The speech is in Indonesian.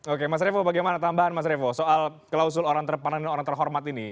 oke mas revo bagaimana tambahan mas revo soal klausul orang terpandang dan orang terhormat ini